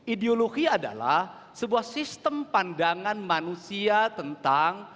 ideologi adalah sebuah sistem pandangan manusia tentang